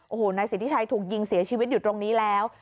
โอ้โหนายสิทธิชัยถูกยิงเสียชีวิตอยู่ตรงนี้แล้ว